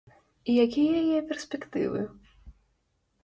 І якія яе перспектывы?